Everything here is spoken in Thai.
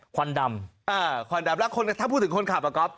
ควันดำควันดำแล้วคนถ้าพูดถึงคนขับอ่ะก๊อฟ